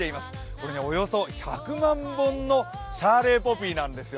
これ、およそ１００万本のシャーレーポピーなんですよ。